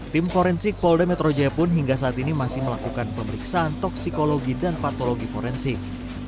tim forensik polda metro jaya pun hingga saat ini masih melakukan pemeriksaan toksikologi dan patologi forensik